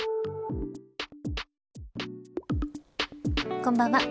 こんばんは。